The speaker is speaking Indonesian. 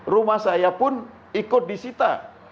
rumah saya pun ikut disita